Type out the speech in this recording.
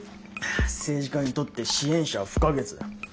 政治家にとって支援者は不可欠だ。